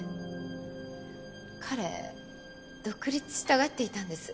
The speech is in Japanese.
彼独立したがっていたんです。